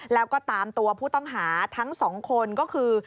แล้วก็ตามตัวผู้ต้องหาทั้งสองคนก็คือ